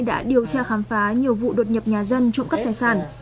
đã điều tra khám phá nhiều vụ đột nhập nhà dân trộm cắp tài sản